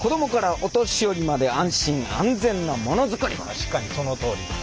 確かにそのとおりですね。